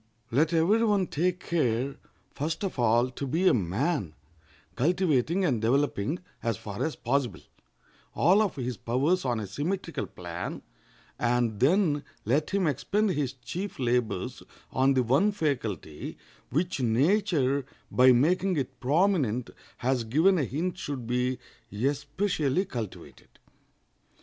Let every one take care, first of all, to be a man, cultivating and developing, as far as possible, all of his powers on a symmetrical plan; and then let him expend his chief labors on the one faculty, which nature, by making it prominent, has given a hint should be especially cultivated.